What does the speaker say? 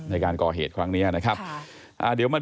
ในการก่อเหตุครั้งเนี๊ยแบบนี้นะคะ